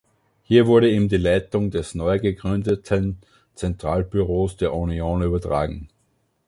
Hier wurde ihm die Leitung des neu gegründeten Zentralbüros der Union übertragen.